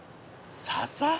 笹？